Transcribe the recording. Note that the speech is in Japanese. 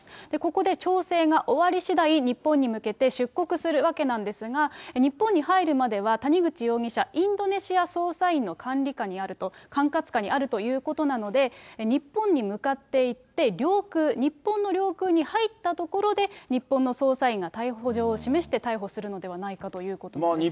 ここで調整が終わりしだい、日本に向けて出国するわけなんですが、日本に入るまでは谷口容疑者、インドネシア捜査員の管理化にあると、管轄下にあるということなので、日本に向かっていって、領空、日本の領空に入ったところで、日本の捜査員が逮捕状を示して逮捕するのではないかということになります。